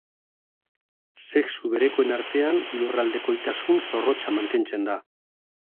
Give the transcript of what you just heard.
Sexu berekoen artean lurraldekoitasun zorrotza mantentzen da.